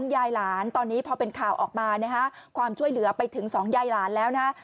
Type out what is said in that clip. เพราะฉะนั้นตอนนี้พอเป็นข่าวออกมาความช่วยเหลือไปถึง๒ยายหลานแล้วนะคะ